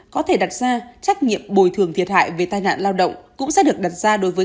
có thể đặt ra trách nhiệm bồi thường thiệt hại về tai nạn lao động cũng sẽ được đặt ra đối với